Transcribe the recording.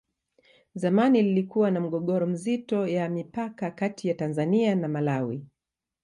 zamani lilikuwa na mgogoro mzito ya mipaka Kati ya tanzania na malawi